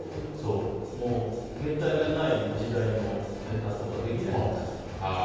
携帯がない時代のネタとかできないですもん。